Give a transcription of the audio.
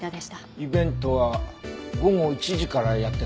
イベントは午後１時からやってたんだよね？